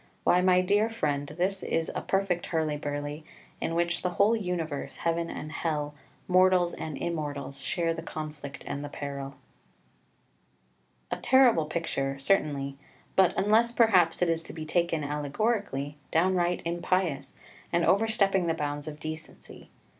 Why, my dear friend, this is a perfect hurly burly, in which the whole universe, heaven and hell, mortals and immortals, share the conflict and the peril. [Footnote 4: Il. xxi. 388; xx. 61.] 7 A terrible picture, certainly, but (unless perhaps it is to be taken allegorically) downright impious, and overstepping the bounds of decency.